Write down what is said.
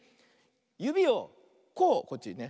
ゆびをこうこっちにね。